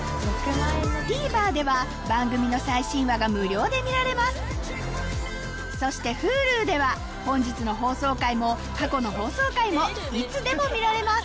ＴＶｅｒでは番組の最新話が無料で見られますそしてＨｕｌｕでは本日の放送回も過去の放送回もいつでも見られます